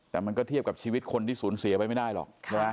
แต่มันก็เทียบกับชีวิตคนที่สูญเสียไปไม่ได้หรอกใช่ไหม